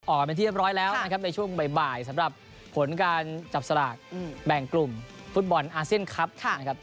ออกมาเป็นที่เรียบร้อยแล้วนะครับในช่วงบ่ายสำหรับผลการจับสลากแบ่งกลุ่มฟุตบอลอาเซียนคลับนะครับ